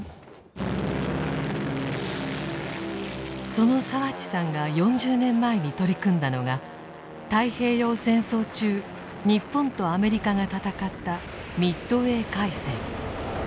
その澤地さんが４０年前に取り組んだのが太平洋戦争中日本とアメリカが戦ったミッドウェー海戦。